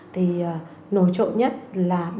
thì nổi trộn nhất là bệnh nhân